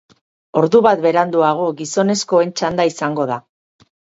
Ordu bat beranduago, gizonezkoen txanda izango da.